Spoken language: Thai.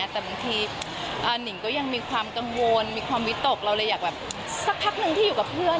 แต่บางทีหนิงก็ยังมีความกังวลมีความวิตกเราเลยอยากแบบสักพักหนึ่งที่อยู่กับเพื่อน